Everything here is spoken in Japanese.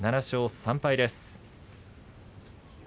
７勝３敗です。